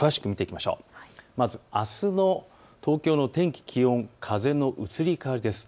まず、あすの東京の天気、気温、風の移り変わりです。